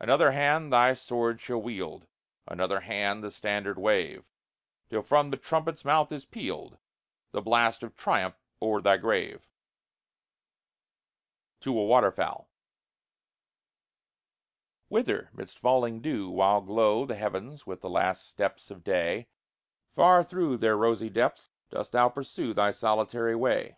Another hand thy sword shall wield, Another hand the standard wave, Till from the trumpet's mouth is pealed The blast of triumph o'er thy grave. D. Appleton and Company, New York. TO A WATERFOWL Whither, 'midst falling dew, While glow the heavens with the last steps of day, Far through their rosy depths dost thou pursue Thy solitary way?